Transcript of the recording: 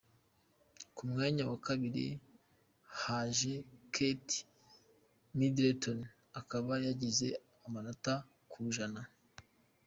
Ku mwanya wa kabiri haje Kate Middleton akaba yagize amanota , ku ijana.